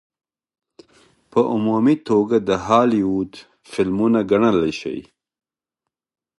په عمومي توګه د هالي وډ فلمونه ګڼلے شي.